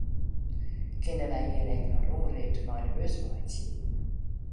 Kinne wy hjir ek in rûnrit mei de bus meitsje?